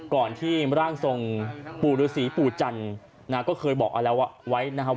ก่อนที่ร่างทรงปู่ฤษีปู่จันทร์ก็เคยบอกเอาไว้นะครับ